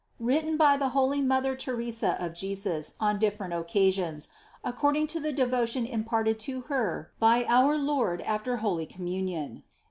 WRITTEN BY THE HOLY MOTHER TERESA OF JESUS ON DIFFERENT OCCASIONS, ACCORDING TO THE DEVOTION IMPARTED TO HER BY OUR LORD AFTER HOLY COM MUNION.